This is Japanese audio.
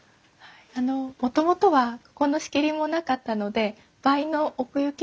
あのもともとはここの仕切りもなかったので倍の奥行きがあったんです。